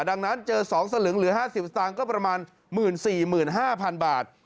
ดังนั้นเจอ๒สลึงหรือ๕๐สตางค์ก็ประมาณ๑๔๕๐๐๐บาท